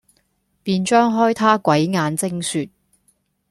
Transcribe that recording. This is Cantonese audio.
便張開他鬼眼睛説，